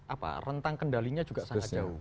apa rentang kendalinya juga sangat jauh